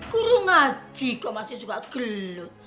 kurung aja kau masih suka gelut